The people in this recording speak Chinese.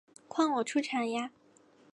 换我出场呀！